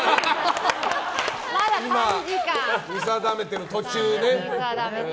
見定めている途中ね。